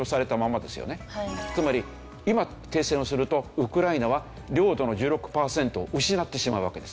つまり今停戦をするとウクライナは領土の１６パーセントを失ってしまうわけです。